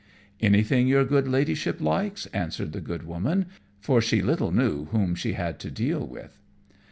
"Anything your good Ladyship likes," answered the good Woman, for she little knew whom she had to deal with.